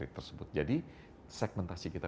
tersebut jadi segmentasi kita